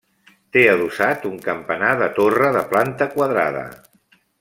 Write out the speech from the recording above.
Té adossat un campanar de torre de planta quadrada.